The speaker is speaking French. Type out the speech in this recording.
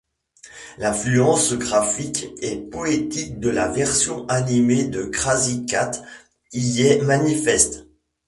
L'influence graphique et poétique de la version animée de Krazy Kat y est manifeste.